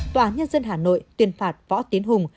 tòa nhân dân hà nội tuyên phạt võ tiến hùng